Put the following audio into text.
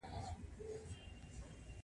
تخنیکي ایډېټ پیسو ته اړتیا لرله.